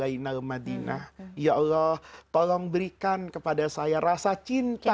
ya allah tolong berikan kepada saya rasa cinta